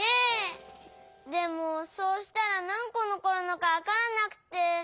でもそうしたらなんこのこるのかわからなくて。